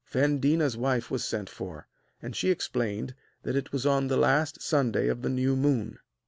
Then Déna's wife was sent for, and she explained that it was on the last Sunday of the new moon.